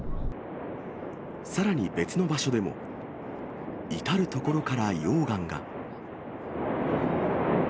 さらに別の場所でも、至る所から溶岩が。